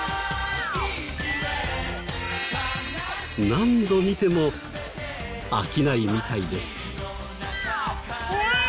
何度見ても飽きないみたいです。